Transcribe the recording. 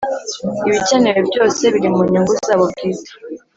Ibikenewe byose biri mu nyungu zabo bwite